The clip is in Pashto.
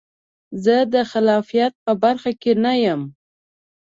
زه د خلاقیت په برخه کې نه یم.